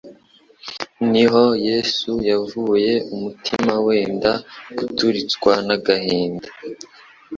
Niho Yesu yavuye umutima wenda guturitswa n'agahinda,